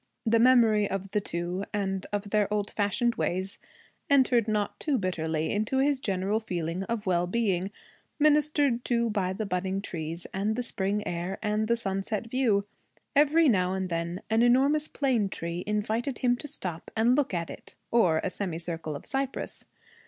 The memory of the two, and of their old fashioned ways, entered not too bitterly into his general feeling of well being, ministered to by the budding trees and the spring air and the sunset view. Every now and then an enormous plane tree invited him to stop and look at it, or a semi circle of cypresses.